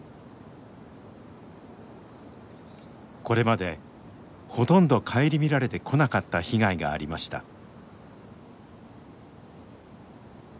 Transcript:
これまでほとんど顧みられてこなかった被害がありました。